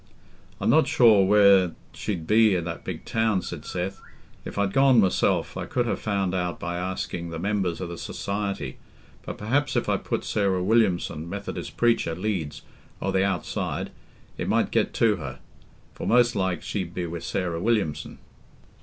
"I'm not sure where she'd be i' that big town," said Seth. "If I'd gone myself, I could ha' found out by asking the members o' the Society. But perhaps if I put Sarah Williamson, Methodist preacher, Leeds, o' th' outside, it might get to her; for most like she'd be wi' Sarah Williamson."